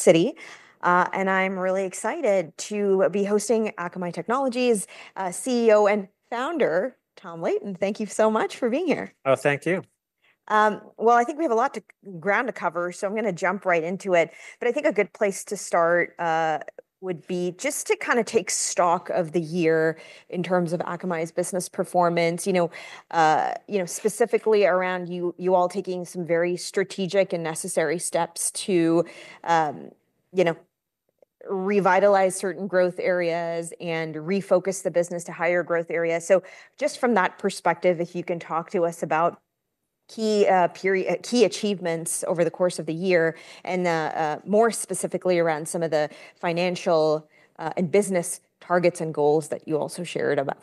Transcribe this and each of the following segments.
Siri, and I'm really excited to be hosting Akamai Technologies, CEO and founder, Tom Leighton. Thank you so much for being here. Oh, thank you. I think we have a lot of ground to cover, so I'm going to jump right into it. I think a good place to start would be just to kind of take stock of the year in terms of Akamai's business performance, specifically around you all taking some very strategic and necessary steps to revitalize certain growth areas and refocus the business to higher growth areas. Just from that perspective, if you can talk to us about key achievements over the course of the year and, more specifically, around some of the financial and business targets and goals that you also shared about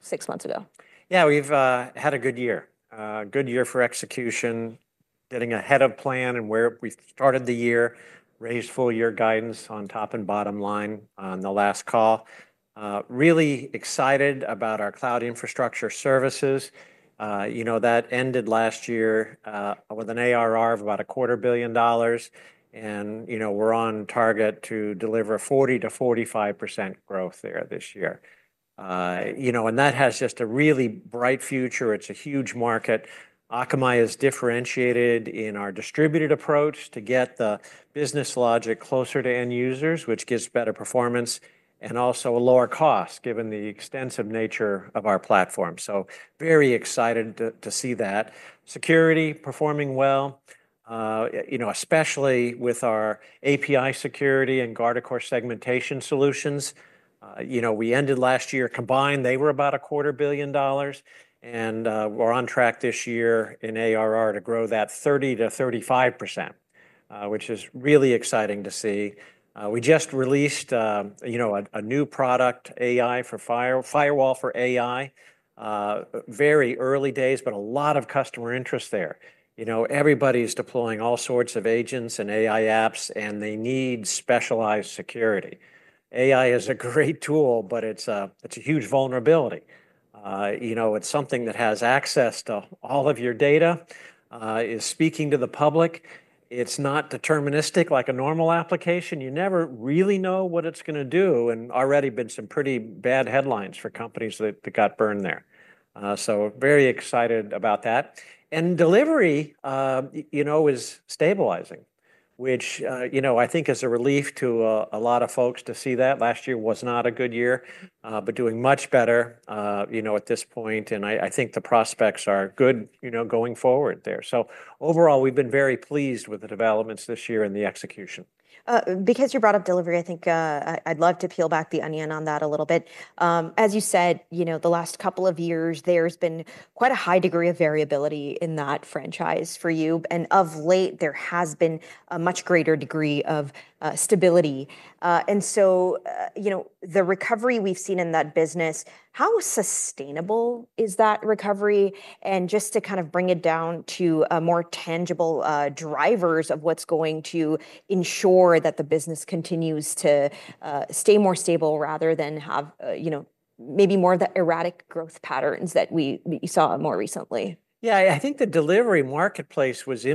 six months ago. Yeah, we've had a good year, good year for execution, getting ahead of plan and where we started the year, raised full year guidance on top and bottom line on the last call. Really excited about our cloud infrastructure services. You know, that ended last year with an ARR of about $250 million, and we're on target to deliver 40%- 45% growth there this year. That has just a really bright future. It's a huge market. Akamai is differentiated in our distributed approach to get the business logic closer to end users, which gives better performance and also a lower cost given the extensive nature of our platform. Very excited to see that. Security performing well, especially with our API Security and Akamai Guardicore Segmentation solutions. We ended last year combined, they were about $250 million, and we're on track this year in ARR to grow that 30%- 35%, which is really exciting to see. We just released a new product, Firewall for AI. Very early days, but a lot of customer interest there. Everybody's deploying all sorts of agents and AI apps, and they need specialized security. AI is a great tool, but it's a huge vulnerability. It's something that has access to all of your data, is speaking to the public. It's not deterministic like a normal application. You never really know what it's going to do. There have already been some pretty bad headlines for companies that got burned there. Very excited about that. Delivery is stabilizing, which I think is a relief to a lot of folks to see that. Last year was not a good year, but doing much better at this point. I think the prospects are good going forward there. Overall, we've been very pleased with the developments this year in the execution. Because you brought up delivery, I'd love to peel back the onion on that a little bit. As you said, the last couple of years, there's been quite a high degree of variability in that franchise for you. Of late, there has been a much greater degree of stability. The recovery we've seen in that business, how sustainable is that recovery? Just to bring it down to more tangible drivers of what's going to ensure that the business continues to stay more stable rather than have maybe more of the erratic growth patterns that we saw more recently. Yeah, I think the delivery marketplace was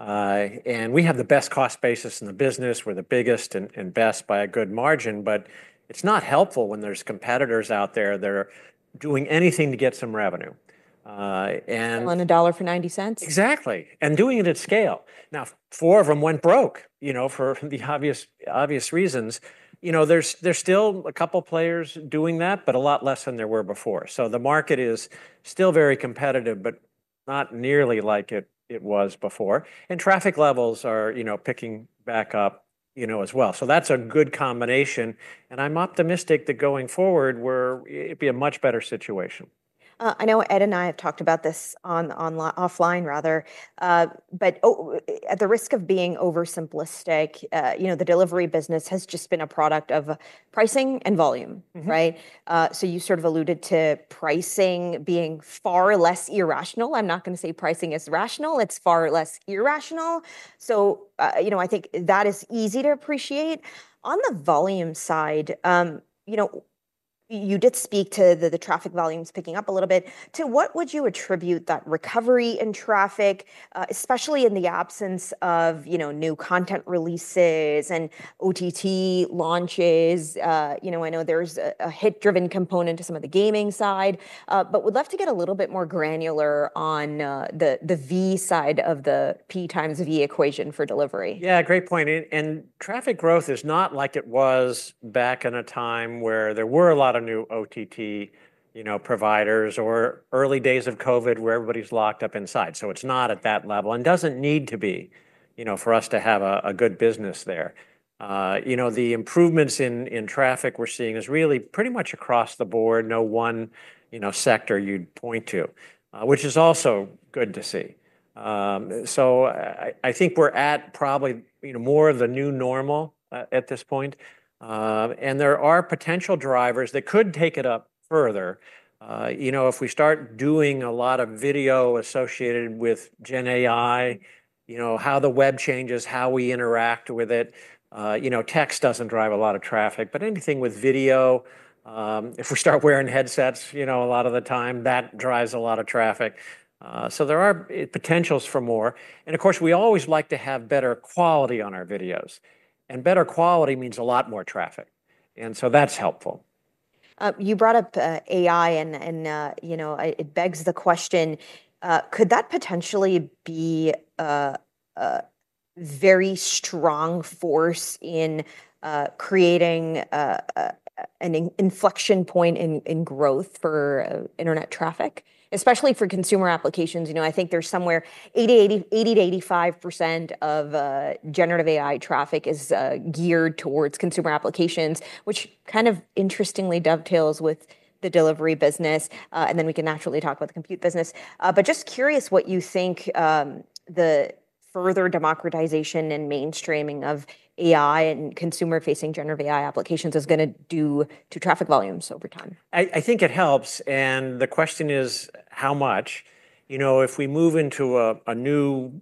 impacted by a bunch of companies that were selling below cost. We have the best cost basis in the business. We're the biggest and best by a good margin, but it's not helpful when there's competitors out there that are doing anything to get some revenue. On a dollar for $0.90. Exactly. Doing it at scale. Now, four of them went broke for the obvious, obvious reasons. There's still a couple of players doing that, but a lot less than there were before. The market is still very competitive, but not nearly like it was before. Traffic levels are picking back up as well. That's a good combination. I'm optimistic that going forward, it will be a much better situation. I know Ed and I have talked about this offline. At the risk of being over-simplistic, you know, the delivery business has just been a product of pricing and volume, right? You sort of alluded to pricing being far less irrational. I'm not going to say pricing is rational. It's far less irrational. I think that is easy to appreciate. On the volume side, you did speak to the traffic volumes picking up a little bit. To what would you attribute that recovery in traffic, especially in the absence of new content releases and OTT launches? I know there's a hit-driven component to some of the gaming side, but would love to get a little bit more granular on the V side of the P times V equation for delivery. Great point. Traffic growth is not like it was back in a time where there were a lot of new OTT providers or early days of COVID where everybody's locked up inside. It's not at that level and doesn't need to be for us to have a good business there. The improvements in traffic we're seeing is really pretty much across the board. No one sector you'd point to, which is also good to see. I think we're at probably more of the new normal at this point, and there are potential drivers that could take it up further. If we start doing a lot of video associated with generative AI, how the web changes, how we interact with it, text doesn't drive a lot of traffic, but anything with video, if we start wearing headsets a lot of the time, that drives a lot of traffic. There are potentials for more. Of course, we always like to have better quality on our videos, and better quality means a lot more traffic. That's helpful. You brought up AI, and it begs the question, could that potentially be a very strong force in creating an inflection point in growth for Internet traffic, especially for consumer applications? I think there's somewhere 80%- 85% of generative AI traffic is geared towards consumer applications, which kind of interestingly dovetails with the delivery business. We can naturally talk about the compute business. Just curious what you think the further democratization and mainstreaming of AI and consumer-facing generative AI applications is going to do to traffic volumes over time. I think it helps. The question is how much, you know, if we move into a new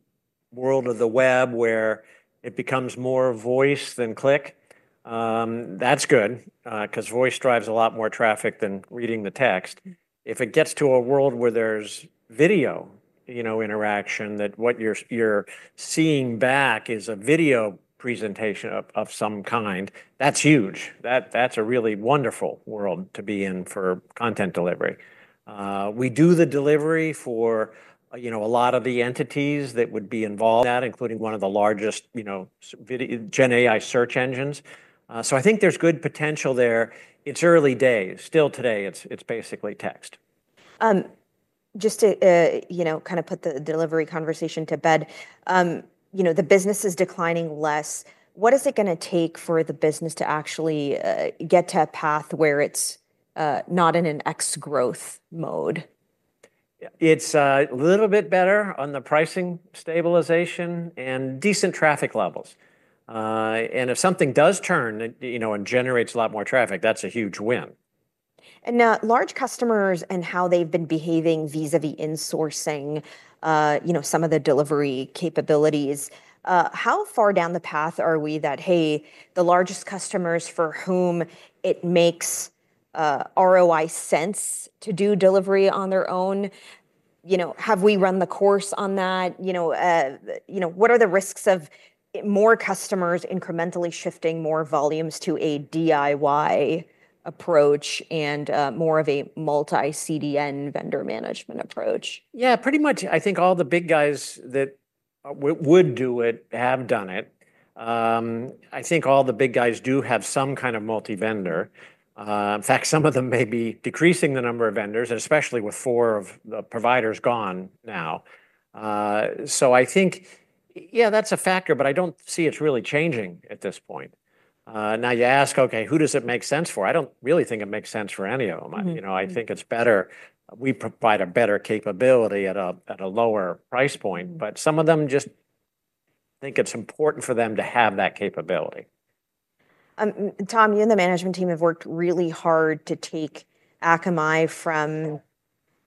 world of the web where it becomes more voice than click, that's good, because voice drives a lot more traffic than reading the text. If it gets to a world where there's video, you know, interaction, that what you're seeing back is a video presentation of some kind, that's huge. That's a really wonderful world to be in for content delivery. We do the delivery for, you know, a lot of the entities that would be involved, including one of the largest, you know, generative AI search engines. I think there's good potential there. It's early days. Still today, it's basically text. Just to, you know, kind of put the delivery conversation to bed, the business is declining less. What is it going to take for the business to actually get to a path where it's not in an ex-growth mode? It's a little bit better on the pricing stabilization and decent traffic levels. If something does turn, you know, and generates a lot more traffic, that's a huge win. Large customers and how they've been behaving vis-a-vis insourcing, you know, some of the delivery capabilities, how far down the path are we that, hey, the largest customers for whom it makes ROI sense to do delivery on their own, you know, have we run the course on that, you know, what are the risks of more customers incrementally shifting more volumes to a DIY approach and more of a multi-CDN vendor management approach? Yeah, pretty much. I think all the big guys that would do it have done it. I think all the big guys do have some kind of multi-vendor. In fact, some of them may be decreasing the number of vendors, especially with four of the providers gone now. I think, yeah, that's a factor, but I don't see it's really changing at this point. Now you ask, okay, who does it make sense for? I don't really think it makes sense for any of them. I think it's better. We provide a better capability at a lower price point, but some of them just think it's important for them to have that capability. Tom, you and the management team have worked really hard to take Akamai from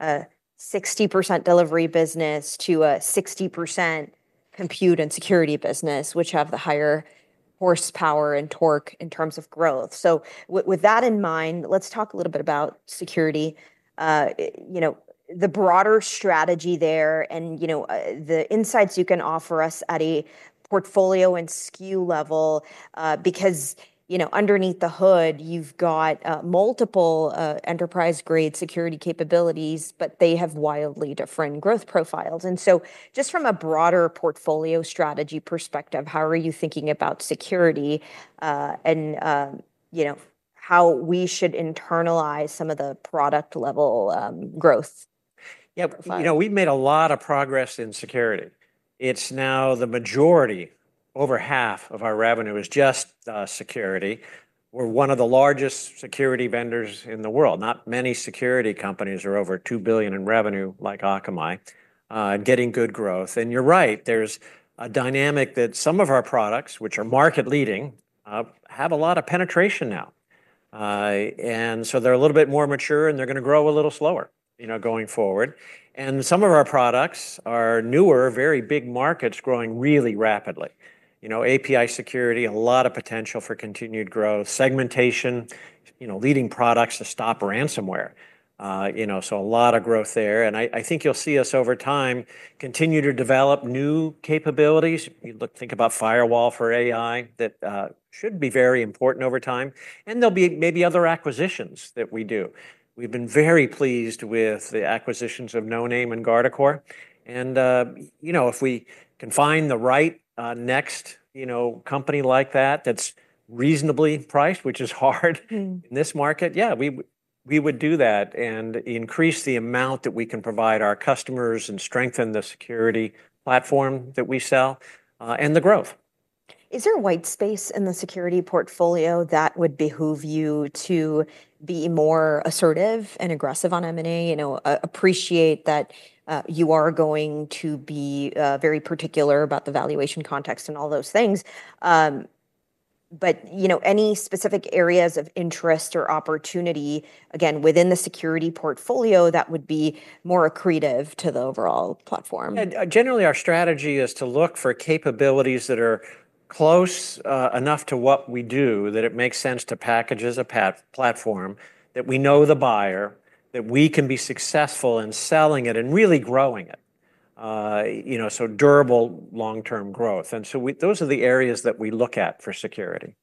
a 60% delivery business to a 60% compute and security business, which have the higher horsepower and torque in terms of growth. With that in mind, let's talk a little bit about security, the broader strategy there and the insights you can offer us at a portfolio and SKU level, because underneath the hood, you've got multiple enterprise-grade security capabilities, but they have wildly different growth profiles. Just from a broader portfolio strategy perspective, how are you thinking about security, and how we should internalize some of the product level growth? Yeah, you know, we've made a lot of progress in security. It's now the majority, over half of our revenue is just security. We're one of the largest security vendors in the world. Not many security companies are over $2 billion in revenue like Akamai, getting good growth. You're right, there's a dynamic that some of our products, which are market leading, have a lot of penetration now, so they're a little bit more mature and they're going to grow a little slower, you know, going forward. Some of our products are newer, very big markets growing really rapidly. You know, API Security, a lot of potential for continued growth, segmentation, you know, leading products to stop ransomware, you know, so a lot of growth there. I think you'll see us over time continue to develop new capabilities. You think about Firewall for AI, that should be very important over time. There'll be maybe other acquisitions that we do. We've been very pleased with the acquisitions of No Name and Guardicore. If we can find the right next, you know, company like that, that's reasonably priced, which is hard in this market, yeah, we would do that and increase the amount that we can provide our customers and strengthen the security platform that we sell and the growth. Is there a white space in the security portfolio that would behoove you to be more assertive and aggressive on M&A? I appreciate that you are going to be very particular about the valuation context and all those things. Any specific areas of interest or opportunity, again, within the security portfolio that would be more accretive to the overall platform? Generally, our strategy is to look for capabilities that are close enough to what we do that it makes sense to package as a platform, that we know the buyer, that we can be successful in selling it and really growing it. You know, durable long-term growth. Those are the areas that we look at for security.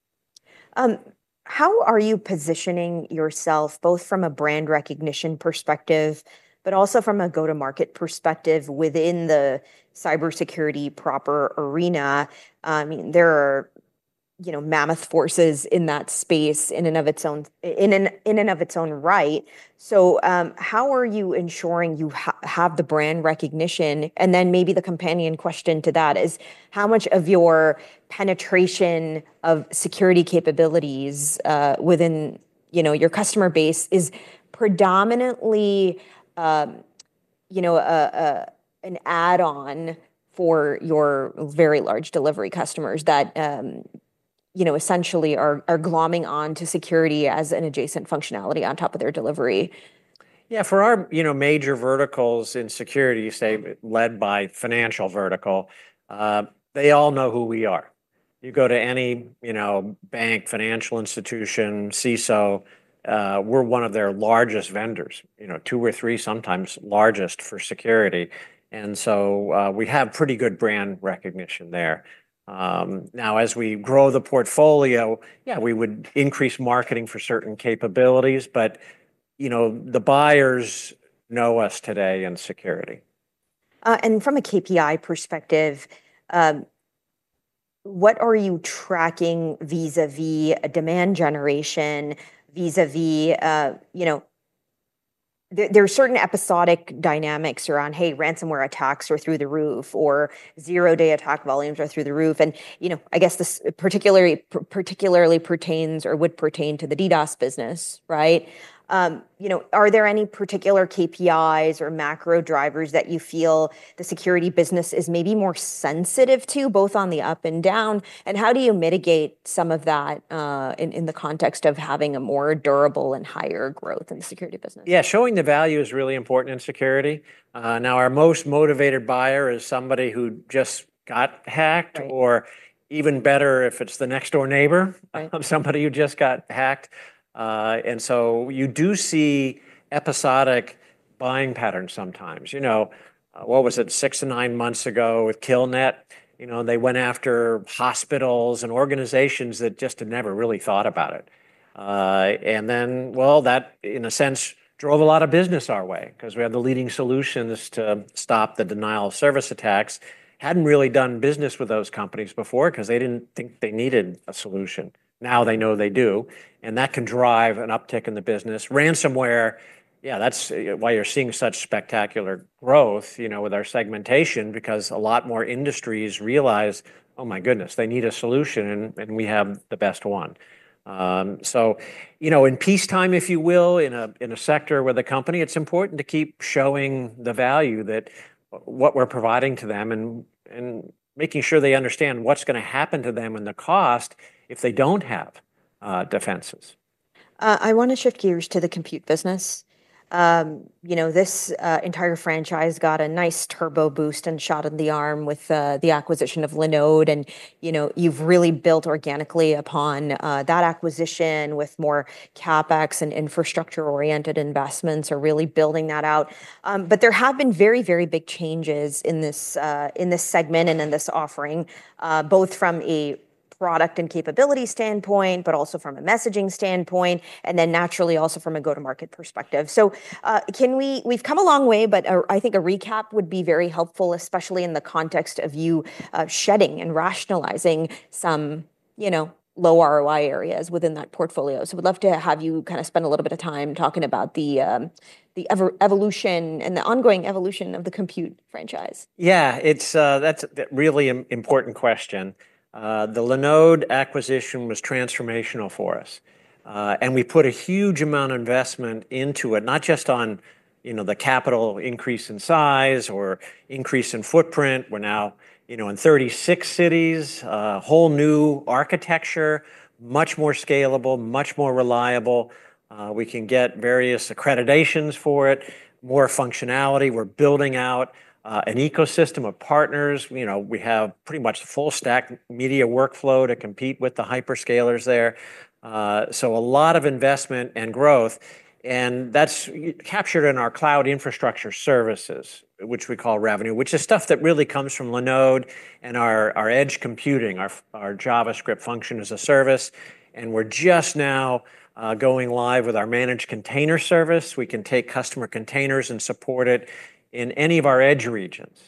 How are you positioning yourself both from a brand recognition perspective, but also from a go-to-market perspective within the cybersecurity proper arena? There are, you know, mammoth forces in that space in and of its own right. How are you ensuring you have the brand recognition? Maybe the companion question to that is how much of your penetration of security capabilities within, you know, your customer base is predominantly, you know, an add-on for your very large delivery customers that, you know, essentially are glomming on to security as an adjacent functionality on top of their delivery? For our major verticals in security, you say led by financial vertical, they all know who we are. You go to any bank, financial institution, CISO, we're one of their largest vendors, two or three, sometimes largest for security. We have pretty good brand recognition there. Now as we grow the portfolio, we would increase marketing for certain capabilities, but the buyers know us today in security. From a KPI perspective, what are you tracking vis-a-vis demand generation, vis-a-vis, you know, there are certain episodic dynamics around, hey, ransomware attacks are through the roof or zero-day attack volumes are through the roof. I guess this particularly pertains or would pertain to the DDoS business, right? Are there any particular KPIs or macro drivers that you feel the security business is maybe more sensitive to, both on the up and down? How do you mitigate some of that in the context of having a more durable and higher growth in the security business? Yeah, showing the value is really important in security. Now our most motivated buyer is somebody who just got hacked, or even better if it's the next door neighbor of somebody who just got hacked. You do see episodic buying patterns sometimes. You know, what was it, six to nine months ago with Killnet, you know, and they went after hospitals and organizations that just had never really thought about it. That in a sense drove a lot of business our way because we had the leading solutions to stop the denial of service attacks. Hadn't really done business with those companies before because they didn't think they needed a solution. Now they know they do, and that can drive an uptick in the business. Ransomware, yeah, that's why you're seeing such spectacular growth, you know, with our segmentation because a lot more industries realize, oh my goodness, they need a solution and we have the best one. In peacetime, if you will, in a sector with a company, it's important to keep showing the value of what we're providing to them and making sure they understand what's going to happen to them and the cost if they don't have defenses. I want to shift gears to the compute business. You know, this entire franchise got a nice turbo boost and shot in the arm with the acquisition of Linode. You've really built organically upon that acquisition with more CapEx and infrastructure-oriented investments, really building that out. There have been very, very big changes in this segment and in this offering, both from a product and capability standpoint, but also from a messaging standpoint, and then naturally also from a go-to-market perspective. We've come a long way, but I think a recap would be very helpful, especially in the context of you shedding and rationalizing some low ROI areas within that portfolio. We'd love to have you spend a little bit of time talking about the evolution and the ongoing evolution of the compute franchise. Yeah, that's a really important question. The Linode acquisition was transformational for us, and we put a huge amount of investment into it, not just on the capital increase in size or increase in footprint. We're now in 36 cities, a whole new architecture, much more scalable, much more reliable. We can get various accreditations for it, more functionality. We're building out an ecosystem of partners. We have pretty much a full stack media workflow to compete with the hyperscalers there. A lot of investment and growth is captured in our cloud infrastructure services, which we call revenue, which is stuff that really comes from Linode and our edge computing, our JavaScript function as a service. We're just now going live with our managed containers service. We can take customer containers and support it in any of our edge regions.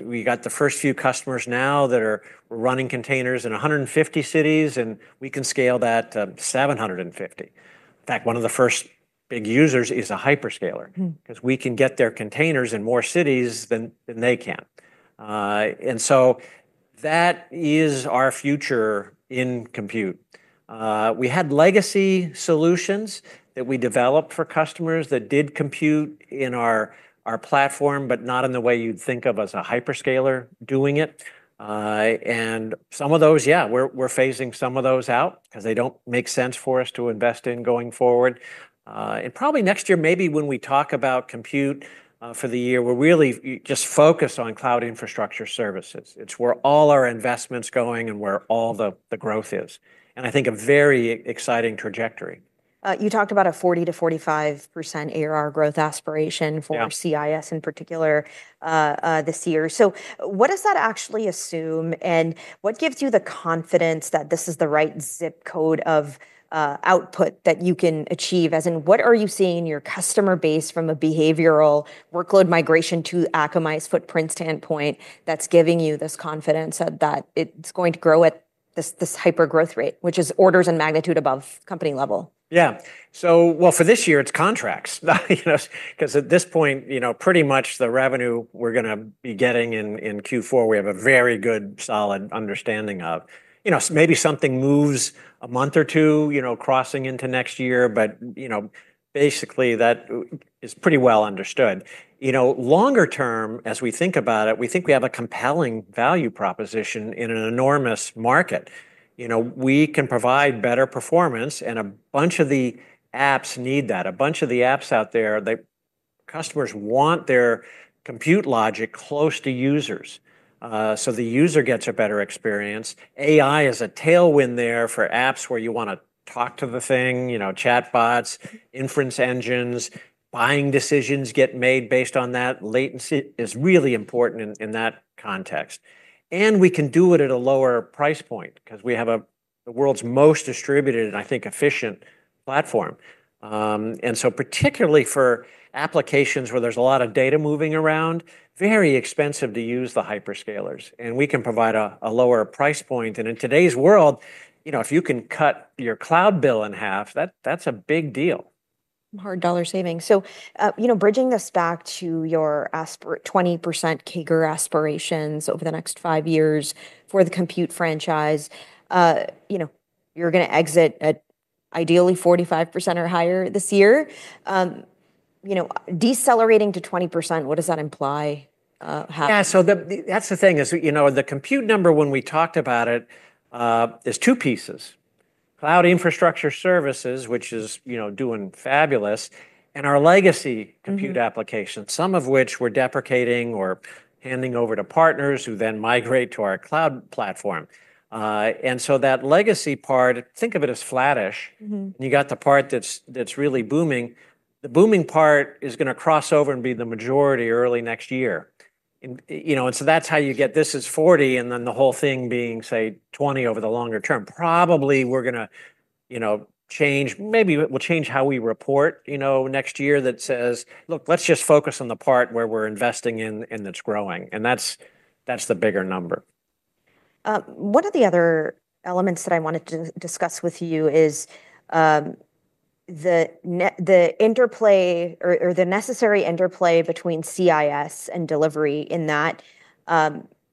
We got the first few customers now that are running containers in 150 cities, and we can scale that to 750. In fact, one of the first big users is a hyperscaler because we can get their containers in more cities than they can. That is our future in compute. We had legacy solutions that we developed for customers that did compute in our platform, but not in the way you'd think of as a hyperscaler doing it. Some of those, yeah, we're phasing some of those out because they don't make sense for us to invest in going forward. Probably next year, maybe when we talk about compute for the year, we're really just focused on cloud infrastructure services. It's where all our investments are going and where all the growth is. I think a very exciting trajectory. You talked about a 40%- 45% ARR growth aspiration for CIS in particular this year. What does that actually assume, and what gives you the confidence that this is the right zip code of output that you can achieve? As in, what are you seeing in your customer base from a behavioral workload migration to Akamai's footprint standpoint that's giving you this confidence that it's going to grow at this hyper growth rate, which is orders of magnitude above company level? For this year, it's contracts. At this point, pretty much the revenue we're going to be getting in Q4, we have a very good, solid understanding of. Maybe something moves a month or two, crossing into next year, but basically that is pretty well understood. Longer- term, as we think about it, we think we have a compelling value proposition in an enormous market. We can provide better performance, and a bunch of the apps need that. A bunch of the apps out there that customers want their compute logic close to users, so the user gets a better experience. AI is a tailwind there for apps where you want to talk to the thing, chatbots, inference engines, buying decisions get made based on that. Latency is really important in that context. We can do it at a lower price point because we have the world's most distributed and, I think, efficient platform, and so particularly for applications where there's a lot of data moving around, very expensive to use the hyperscalers. We can provide a lower price point. In today's world, if you can cut your cloud bill in half, that's a big deal. Hard dollar savings. You know, bridging this back to your 20% CAGR aspirations over the next five years for the compute franchise, you're going to exit at ideally 45% or higher this year, decelerating to 20%. What does that imply? How? Yeah, so that's the thing is, you know, the compute number when we talked about it, is two pieces. Cloud infrastructure services, which is, you know, doing fabulous, and our legacy compute applications, some of which we're deprecating or handing over to partners who then migrate to our cloud platform. That legacy part, think of it as flattish. You got the part that's really booming. The booming part is going to cross over and be the majority early next year. You know, that's how you get this as 40 and then the whole thing being, say, 20 over the longer term. Probably we're going to, you know, change, maybe we'll change how we report, you know, next year that says, look, let's just focus on the part where we're investing in and it's growing. That's the bigger number. One of the other elements that I wanted to discuss with you is the interplay or the necessary interplay between CIS and delivery in that,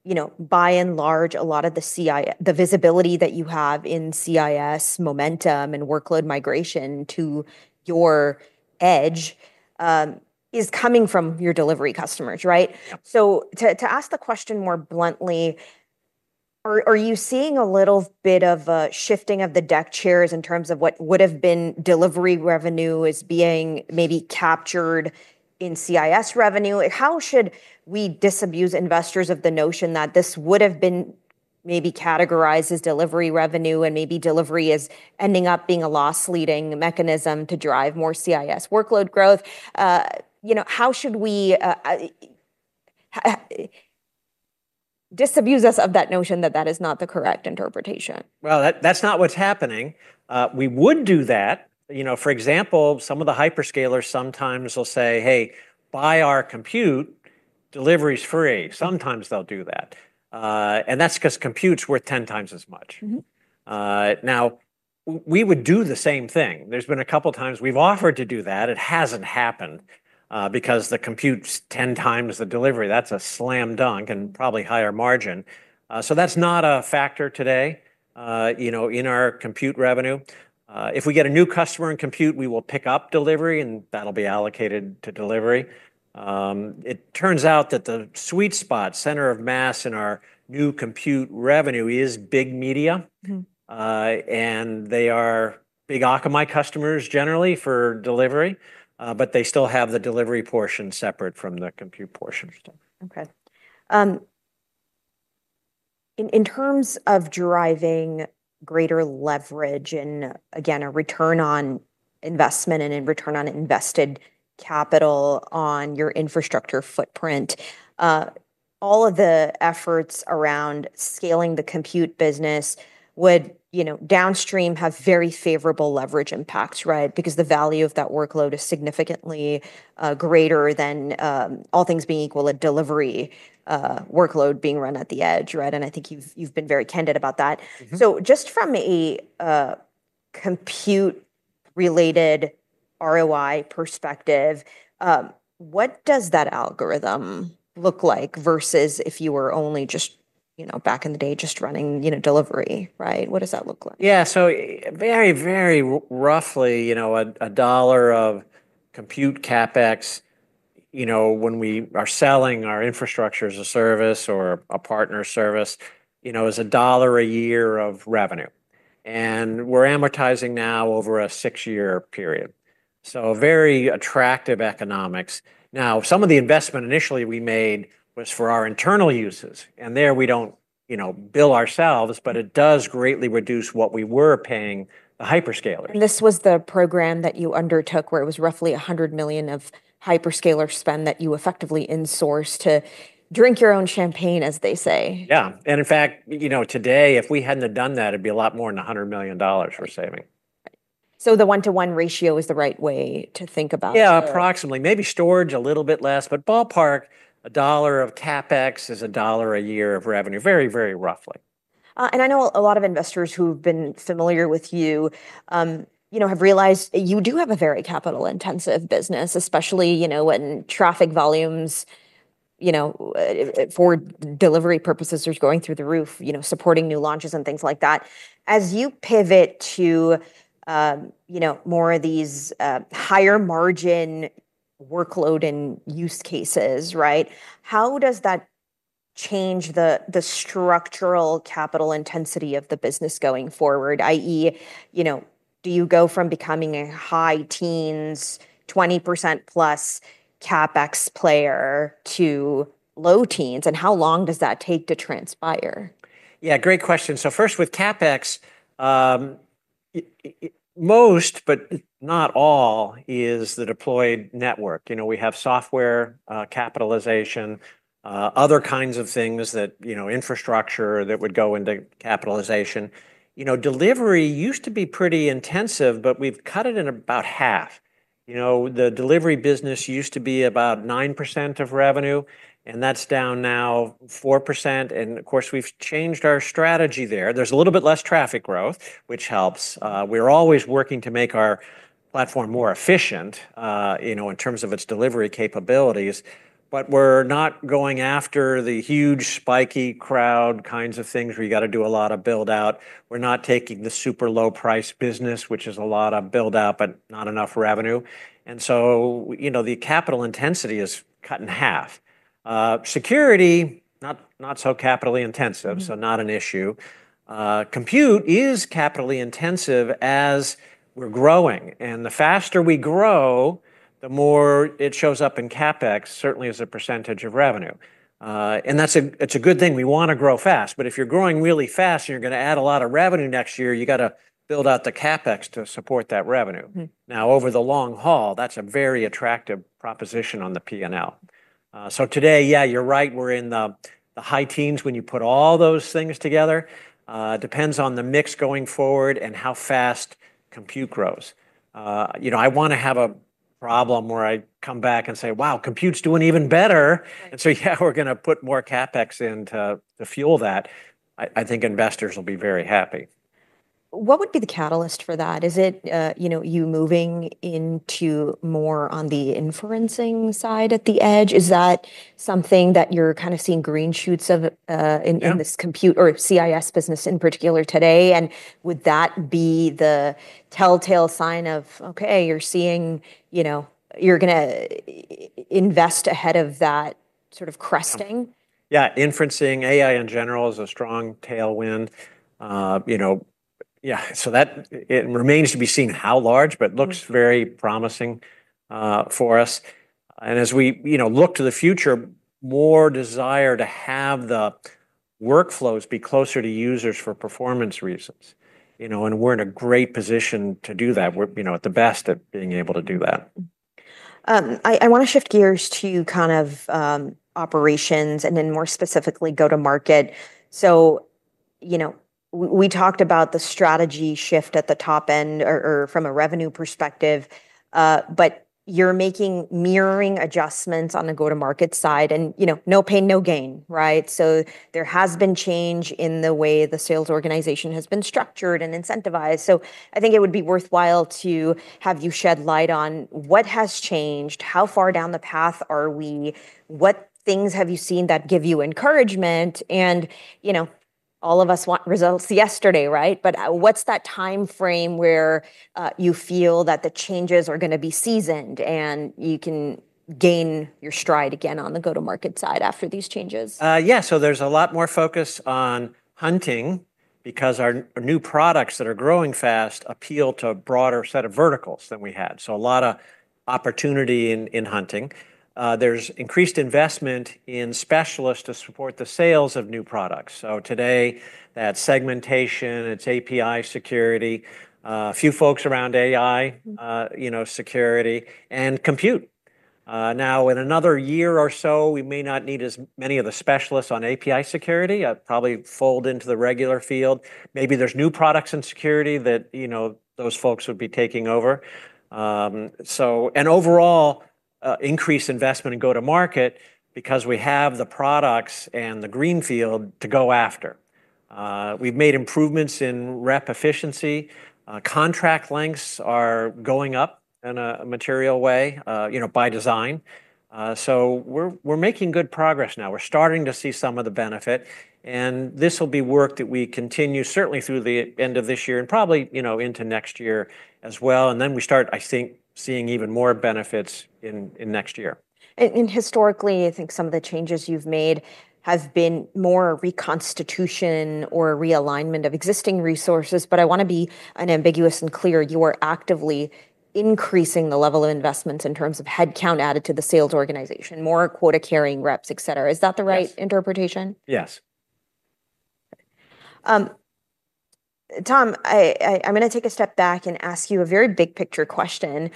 you know, by and large, a lot of the CI, the visibility that you have in CIS momentum and workload migration to your edge, is coming from your delivery customers, right? To ask the question more bluntly, are you seeing a little bit of a shifting of the deck chairs in terms of what would have been delivery revenue is being maybe captured in CIS revenue? How should we disabuse investors of the notion that this would have been maybe categorized as delivery revenue and maybe delivery is ending up being a loss-leading mechanism to drive more CIS workload growth? How should we disabuse us of that notion that that is not the correct interpretation? That's not what's happening. You know, for example, some of the hyperscalers sometimes will say, hey, buy our compute, delivery is free. Sometimes they'll do that, and that's because compute is worth 10 times as much. Now we would do the same thing. There's been a couple of times we've offered to do that. It hasn't happened, because the compute is 10x the delivery. That's a slam dunk and probably higher margin. That's not a factor today, you know, in our compute revenue. If we get a new customer in compute, we will pick up delivery and that'll be allocated to delivery. It turns out that the sweet spot, center of mass in our new compute revenue is big media, and they are big Akamai customers generally for delivery, but they still have the delivery portion separate from the compute portion. Okay. In terms of driving greater leverage and, again, a return on investment and a return on invested capital on your infrastructure footprint, all of the efforts around scaling the compute business would, you know, downstream have very favorable leverage impacts, right? Because the value of that workload is significantly greater than, all things being equal, a delivery workload being run at the edge, right? I think you've been very candid about that. Just from a compute-related ROI perspective, what does that algorithm look like versus if you were only just, you know, back in the day, just running, you know, delivery, right? What does that look like? Yeah, so very, very roughly, you know, a dollar of compute CapEx, you know, when we are selling our infrastructure as a service or a partner service, is a dollar a year of revenue. We're amortizing now over a six-year period, so very attractive economics. Some of the investment initially we made was for our internal uses. There we don't, you know, bill ourselves, but it does greatly reduce what we were paying the hyperscalers. This was the program that you undertook where it was roughly $100 million of hyperscaler spend that you effectively insourced to drink your own champagne, as they say. Yeah. In fact, you know, today, if we hadn't done that, it'd be a lot more than $100 million we're saving. The one-to-one ratio is the right way to think about it. Approximately, maybe storage a little bit less, but ballpark, a dollar of CapEx is a dollar a year of revenue, very, very roughly. I know a lot of investors who've been familiar with you have realized you do have a very capital-intensive business, especially when traffic volumes for delivery purposes are going through the roof, supporting new launches and things like that. As you pivot to more of these higher margin workload and use cases, right? How does that change the structural capital intensity of the business going forward? I.e., do you go from becoming a high teens, 20%+ CapEx player to low teens? And how long does that take to transpire? Yeah, great question. First, with CapEx, most, but not all, is the deployed network. We have software, capitalization, other kinds of things, infrastructure that would go into capitalization. Delivery used to be pretty intensive, but we've cut it in about half. The delivery business used to be about 9% of revenue, and that's down now to 4%. Of course, we've changed our strategy there. There's a little bit less traffic growth, which helps. We're always working to make our platform more efficient in terms of its delivery capabilities. We're not going after the huge spiky crowd kinds of things where you have to do a lot of build-out. We're not taking the super low-priced business, which is a lot of build-out, but not enough revenue. The capital intensity is cut in half. Security, not so capitally intensive, so not an issue. Compute is capitally intensive as we're growing, and the faster we grow, the more it shows up in CapEx, certainly as a percentage of revenue. That's a good thing. We want to grow fast. If you're growing really fast and you're going to add a lot of revenue next year, you have to build out the CapEx to support that revenue. Over the long haul, that's a very attractive proposition on the P&L. Today, you're right. We're in the high teens when you put all those things together. It depends on the mix going forward and how fast compute grows. I want to have a problem where I come back and say, wow, compute's doing even better. We're going to put more CapEx in to fuel that. I think investors will be very happy. What would be the catalyst for that? Is it, you know, you moving into more on the inferencing side at the edge? Is that something that you're kind of seeing green shoots of in this compute or CIS business in particular today? Would that be the telltale sign of, okay, you're seeing, you know, you're going to invest ahead of that sort of cresting? Yeah, inferencing AI in general is a strong tailwind. You know, it remains to be seen how large, but it looks very promising for us. As we look to the future, more desire to have the workflows be closer to users for performance reasons. You know, we're in a great position to do that. We're at the best at being able to do that. I want to shift gears to operations and then more specifically go-to-market. We talked about the strategy shift at the top end or from a revenue perspective, but you're making mirroring adjustments on the go-to-market side and, you know, no pain, no gain, right? There has been change in the way the sales organization has been structured and incentivized. I think it would be worthwhile to have you shed light on what has changed, how far down the path are we, what things have you seen that give you encouragement? All of us want results yesterday, right? What's that timeframe where you feel that the changes are going to be seasoned and you can gain your stride again on the go-to-market side after these changes? Yeah, so there's a lot more focus on hunting because our new products that are growing fast appeal to a broader set of verticals than we had. A lot of opportunity in hunting. There's increased investment in specialists to support the sales of new products. Today, that segmentation, it's API Security, a few folks around AI, you know, security and compute. In another year or so, we may not need as many of the specialists on API Security, probably fold into the regular field. Maybe there's new products in security that, you know, those folks would be taking over. Overall, increased investment in go-to-market because we have the products and the greenfield to go after. We've made improvements in rep efficiency. Contract lengths are going up in a material way, by design. We're making good progress now. We're starting to see some of the benefit. This will be work that we continue certainly through the end of this year and probably into next year as well. I think we start seeing even more benefits in next year. Historically, I think some of the changes you've made have been more reconstitution or realignment of existing resources. I want to be unambiguous and clear. You are actively increasing the level of investments in terms of headcount added to the sales organization, more quota carrying reps, etc. Is that the right interpretation? Yes. Tom, I'm going to take a step back and ask you a very big picture question.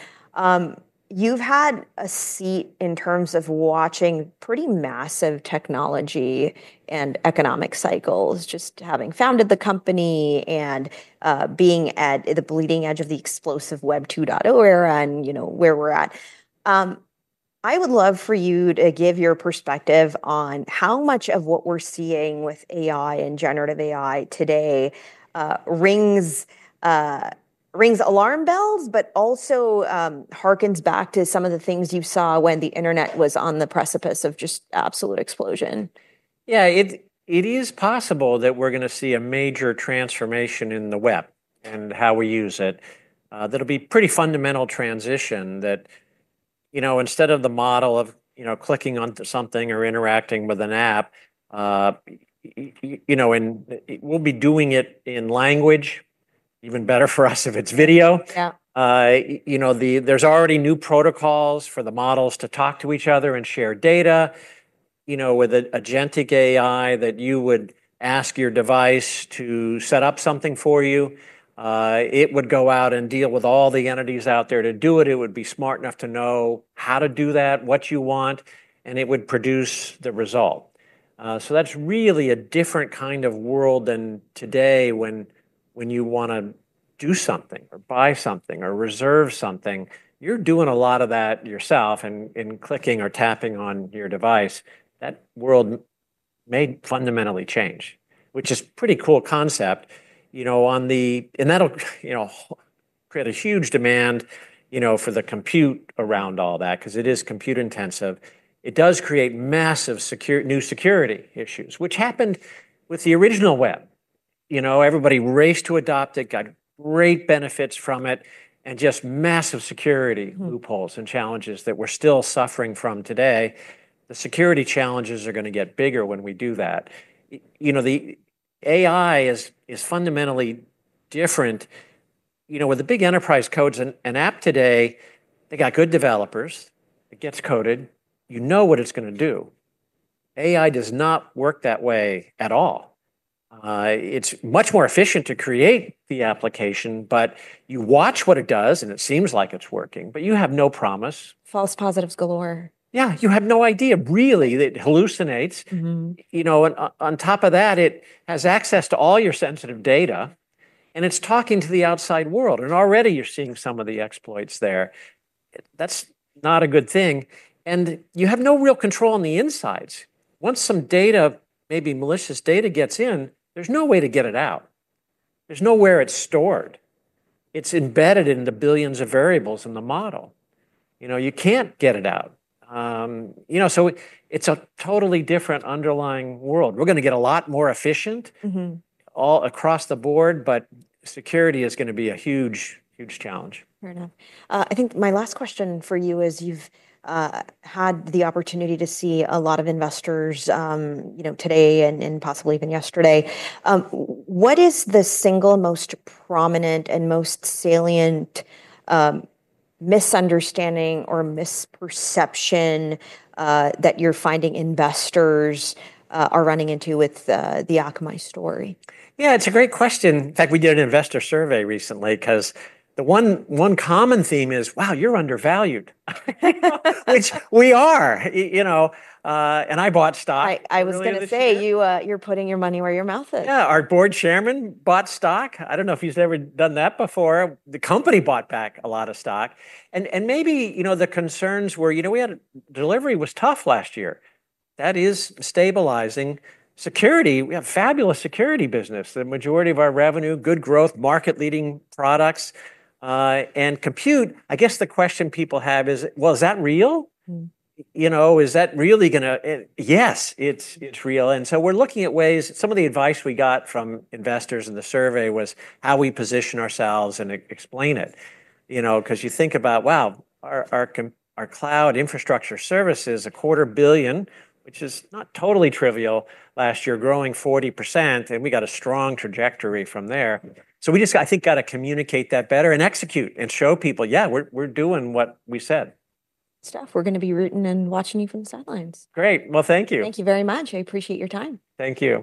You've had a seat in terms of watching pretty massive technology and economic cycles, just having founded the company and being at the bleeding edge of the explosive Web 2.0 era and, you know, where we're at. I would love for you to give your perspective on how much of what we're seeing with AI and generative AI today rings alarm bells, but also hearkens back to some of the things you saw when the Internet was on the precipice of just absolute explosion. Yeah, it is possible that we're going to see a major transformation in the web and how we use it. That'll be a pretty fundamental transition that, you know, instead of the model of, you know, clicking onto something or interacting with an app, you know, we'll be doing it in language, even better for us if it's video. You know, there's already new protocols for the models to talk to each other and share data, with an agentic AI that you would ask your device to set up something for you. It would go out and deal with all the entities out there to do it. It would be smart enough to know how to do that, what you want, and it would produce the result. That's really a different kind of world than today when you want to do something or buy something or reserve something. You're doing a lot of that yourself in clicking or tapping on your device. That world may fundamentally change, which is a pretty cool concept. That'll create a huge demand for the compute around all that because it is compute intensive. It does create massive security, new security issues, which happened with the original web. Everybody raced to adopt it, got great benefits from it, and just massive security loopholes and challenges that we're still suffering from today. The security challenges are going to get bigger when we do that. The AI is fundamentally different. With the big enterprise codes and app today, they got good developers. It gets coded. You know what it's going to do. AI does not work that way at all. It's much more efficient to create the application, but you watch what it does and it seems like it's working, but you have no promise. False positives galore. Yeah, you have no idea really that it hallucinates. On top of that, it has access to all your sensitive data and it's talking to the outside world. Already you're seeing some of the exploits there. That's not a good thing. You have no real control on the insides. Once some data, maybe malicious data, gets in, there's no way to get it out. There's nowhere it's stored. It's embedded in the billions of variables in the model. You know, you can't get it out. You know, it's a totally different underlying world. We're going to get a lot more efficient,, all across the board, but security is going to be a huge, huge challenge. Fair enough. I think my last question for you is, you've had the opportunity to see a lot of investors today and possibly even yesterday. What is the single most prominent and most salient misunderstanding or misperception that you're finding investors are running into with the Akamai story? Yeah, it's a great question. In fact, we did an investor survey recently because the one common theme is, wow, you're undervalued. We are, you know, and I bought stock. I was going to say, you're putting your money where your mouth is. Yeah, our Board Chairman bought stock. I don't know if he's ever done that before. The company bought back a lot of stock. Maybe, you know, the concerns were, you know, we had a delivery was tough last year. That is stabilizing. Security, we have a fabulous security business. The majority of our revenue, good growth, market-leading products, and compute. I guess the question people have is, is that real? Mm-hmm. You know, is that really going to, yes, it's real. We're looking at ways, some of the advice we got from investors in the survey was how we position ourselves and explain it. You know, because you think about, wow, our cloud infrastructure services, a quarter billion, which is not totally trivial last year, growing 40%, and we got a strong trajectory from there. We just, I think, got to communicate that better and execute and show people, yeah, we're doing what we said. Stuff. We're going to be rooting and watching you from the sidelines. Great. Thank you. Thank you very much. I appreciate your time. Thank you.